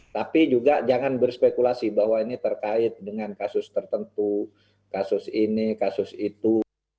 tapi juga jangan berspekulasi bahwa ini terkait dengan kasus tertentu kasus ini kasus itu